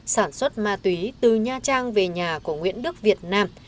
sản xuất ma túy từ nha trang về nhà của nguyễn đức việt nam